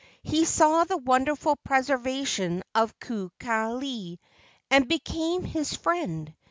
He saw the wonderful preservation of Kukali and became his friend.